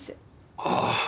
ああ。